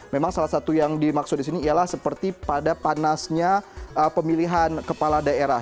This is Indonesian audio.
memang salah satu yang dimaksud di sini ialah seperti pada panasnya pemilihan kepala daerah